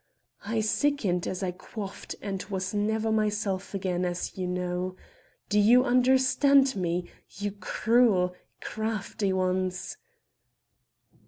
I sickened as I quaffed and was never myself again, as you know. Do you understand me, you cruel, crafty ones?"